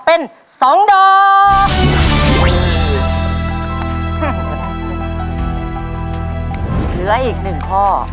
ปลูก